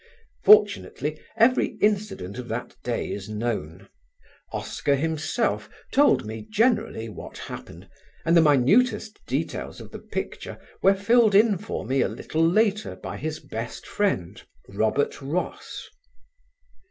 Fortunately every incident of that day is known: Oscar himself told me generally what happened and the minutest details of the picture were filled in for me a little later by his best friend, Robert Ross.